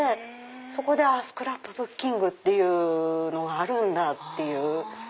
そこでスクラップブッキングっていうのがあるんだっていう。